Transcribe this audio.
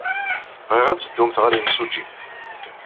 Bɣiɣ ad teddumt ɣer yimsujji.